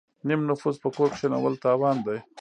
نیم نفوس په کور کینول تاوان دی.